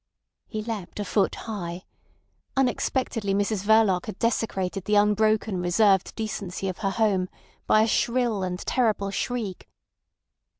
He leaped a foot high. Unexpectedly Mrs Verloc had desecrated the unbroken reserved decency of her home by a shrill and terrible shriek.